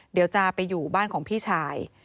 เดี๋ยวจะไปอยู่บ้านของพี่ชาย